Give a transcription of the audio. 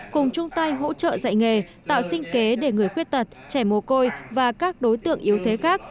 cùng chung tay hỗ trợ dạy nghề tạo sinh kế để người khuyết tật trẻ mồ côi và các đối tượng yếu thế khác